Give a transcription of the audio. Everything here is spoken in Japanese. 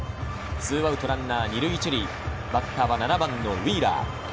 ２アウトランナー２塁１塁、バッターは７番のウィーラー。